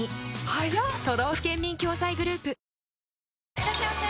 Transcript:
いらっしゃいませ！